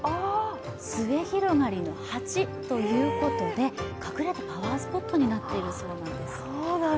末広がりの８ということで、隠れたパワースポットになっているそうなんです。